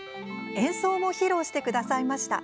演奏も披露してくださいました。